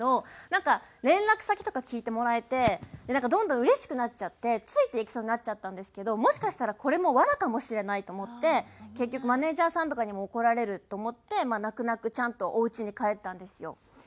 なんか連絡先とか聞いてもらえてなんかどんどんうれしくなっちゃってついていきそうになっちゃったんですけどもしかしたらこれも罠かもしれないと思ってマネジャーさんとかにも怒られると思ってまあ泣く泣くちゃんとおうちに帰ったんですよ。